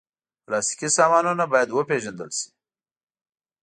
پلاستيکي سامانونه باید وپېژندل شي.